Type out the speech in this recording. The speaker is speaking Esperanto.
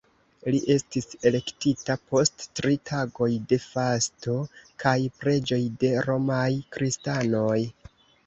Li estis elektita post tri tagoj de fasto kaj preĝoj de romaj kristanoj.